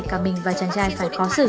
dạ vâng ạ